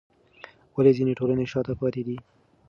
ولې ځینې ټولنې شاته پاتې دي؟